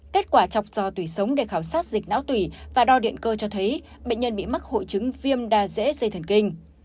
kết quả chọc do tủy sống để khảo sát dịch não tủy và đo điện cơ cho thấy bệnh nhân bị mắc hội chứng viêm đa dễ dây thần kinh